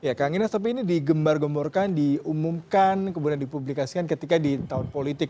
ya kang inas tapi ini digembar gemborkan diumumkan kemudian dipublikasikan ketika di tahun politik